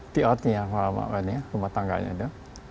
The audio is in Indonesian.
piatnya rumah tangganya dia